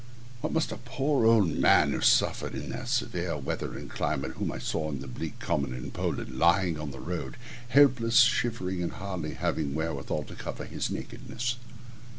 What must not a poor old man have suffered in that severe weather and climate, whom I saw on a bleak common in Poland, lying on the road, helpless, shivering, and hardly having wherewithal to cover his nakedness?